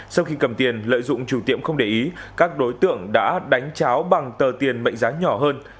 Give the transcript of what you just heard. sau khi cầm tiền lợi dụng chủ tiệm không để ý các đối tượng đã đánh cháo bằng tờ tiền mệnh giá nhỏ hơn